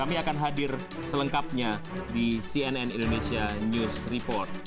inilah cnn indonesia news report